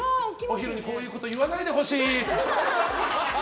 お昼にこういうこと言わないでほしい。